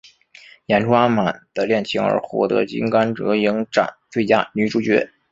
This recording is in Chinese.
演出阿满的恋情而获得金甘蔗影展最佳女主角。